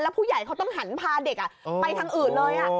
ผู้ใหญ่เขาต้องหันพาเด็กไปทางอื่นเลย